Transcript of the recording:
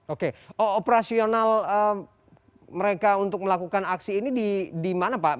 oke operasional mereka untuk melakukan aksi ini di mana pak